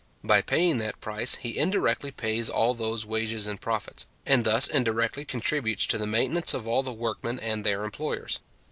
By paying that price, he indirectly pays all those wages and profits, and thus indirectly contributes to the maintenance of all the workmen and their employers.